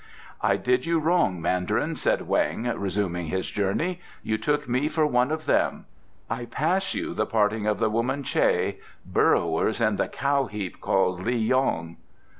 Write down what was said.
"I did you wrong, Mandarin," said Weng, resuming his journey; "you took me for one of them. I pass you the parting of the woman Che, burrowers in the cow heap called Li yong."